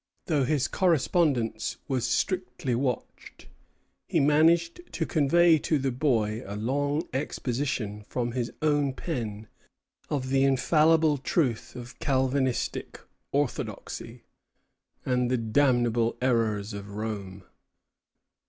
Though his correspondence was strictly watched, he managed to convey to the boy a long exposition, from his own pen, of the infallible truth of Calvinistic orthodoxy, and the damnable errors of Rome.